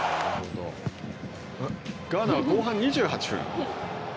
ガーナは後半２８分。